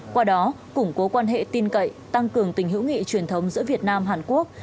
qua đó củng cố quan hệ tin cậy tăng cường tình hữu nghị truyền thống giữa việt nam hàn quốc